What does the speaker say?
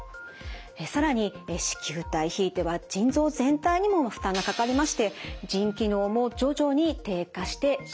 更に糸球体ひいては腎臓全体にも負担がかかりまして腎機能も徐々に低下してしまいます。